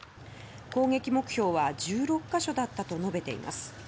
攻撃目標は１６か所だったと述べています。